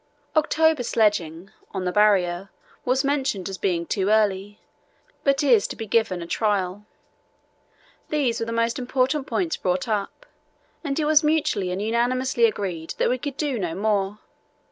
October sledging (on the Barrier) was mentioned as being too early, but is to be given a trial. These were the most important points brought up, and it was mutually and unanimously agreed that we could do no more....